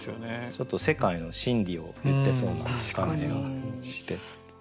ちょっと世界の真理を言ってそうな感じがして。